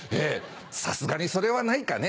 さすがにそれはないかね。